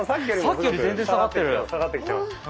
さっきより全然下がってる。